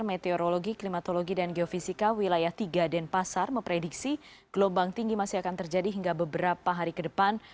meteorologi klimatologi dan geofisika wilayah tiga denpasar memprediksi gelombang tinggi masih akan terjadi hingga beberapa hari ke depan